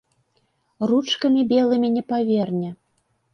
Ручкамі белымі не паверне.